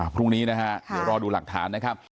พรุ่งนี้นะฮะเดี๋ยวรอดูหลักฐานนะครับ